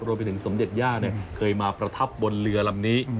โรบินติ์สมเด็ดยาเคยมาประทับบนเรือลำนี้